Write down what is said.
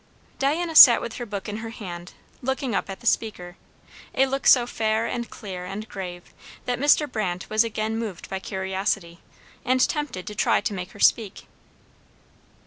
Diana sat with her book in her hand, looking up at the speaker; a look so fair and clear and grave that Mr. Brandt was again moved by curiosity, and tempted to try to make her speak.